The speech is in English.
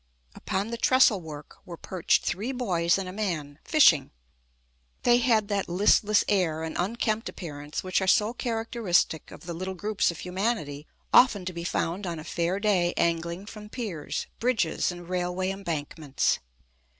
Upon the trestlework were perched three boys and a man, fishing. They had that listless air and unkempt appearance which are so characteristic of the little groups of humanity often to be found on a fair day angling from piers, bridges, and railway embankments.